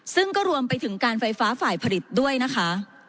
ซึ่งก็รวมไปถึงการไฟฟ้าฝ่ายผลิตด้วยนะคะ